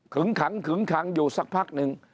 ขังขึงขังอยู่สักพักหนึ่ง